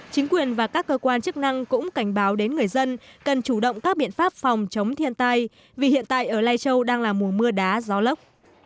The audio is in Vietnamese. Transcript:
chính quyền và các cơ quan chức năng cũng cảnh báo đến người dân cần chủ động các biện pháp phòng chống thiên tai vì hiện tại ở lai châu đang là mùa mưa đá gió lốc